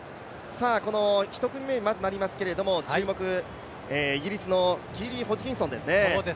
この１組目になりますけど、注目はイギリスのキーリー・ホジキンソンですね。